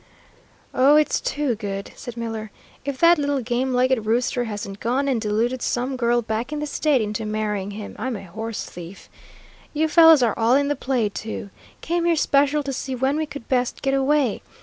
"Oh, it's too good," said Miller. "If that little game legged rooster hasn't gone and deluded some girl back in the State into marrying him, I'm a horse thief. You fellows are all in the play, too. Came here special to see when we could best get away.